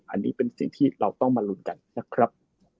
อันนี้เป็นสิ่งที่เราต้องมาลุ้นกันนะครับ